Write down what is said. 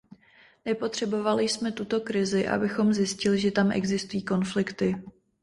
Nepotřebovali jsme tuto krizi, abychom zjistili, že tam existují konflikty.